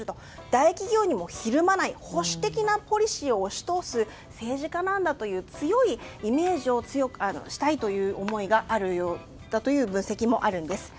大企業にもひるまない保守的なポリシーを押し通す政治家なんだという強いイメージにしたいという分析もあるんです。